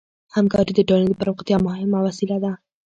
همکاري د ټولنې د پراختیا مهمه وسیله ده.